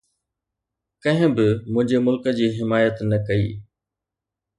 ڪنهن به منهنجي ملڪ جي حمايت نه ڪئي.